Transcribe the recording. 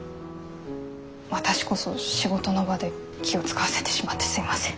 私こそ仕事の場で気を遣わせてしまってすいません。